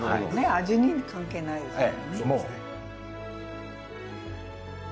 味に関係ないですもんね。